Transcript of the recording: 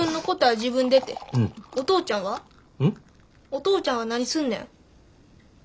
お父ちゃんは何すんねん。